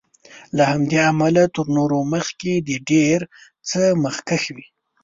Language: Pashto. له همدې امله تر نورو مخکې د ډېر څه مخکښ وي.